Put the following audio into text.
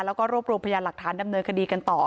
แล้วก็รวบรวมพยานหลักฐานดำเนินคดีกันต่อ